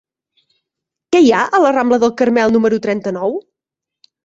Què hi ha a la rambla del Carmel número trenta-nou?